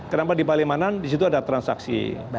kenapa di palimanan disitu ada transaksi